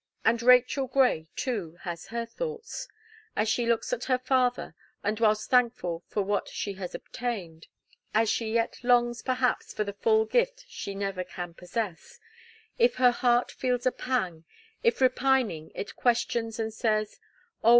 And Rachel Gray, too, has her thoughts. As she looks at her father, and whilst thankful for what she has obtained, as she yet longs, perhaps, for the full gift she never can possess; if her heart feels a pang, if repining it questions and says: "Oh!